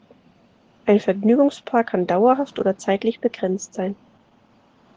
Ein Vergnügungspark kann dauerhaft oder zeitlich begrenzt sein.